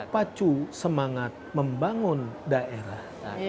pacu semangat membangun daerah